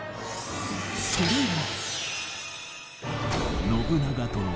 それは